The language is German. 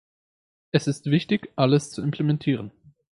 Es ist wichtig, alles zu implementieren.